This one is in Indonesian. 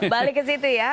balik ke situ ya